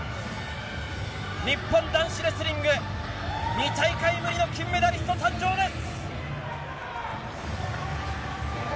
日本男子レスリング２大会ぶりの金メダリストの誕生です！